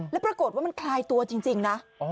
แล้วปรากฏว่ามันคลายตัวจริงนะ